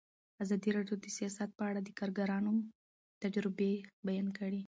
ازادي راډیو د سیاست په اړه د کارګرانو تجربې بیان کړي.